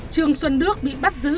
trương xuân đức bị bắt giữ